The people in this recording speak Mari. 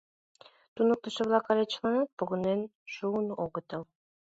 Туныктышо-влак але чыланат погынен шуын огытыл.